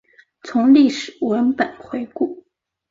从历史文本回顾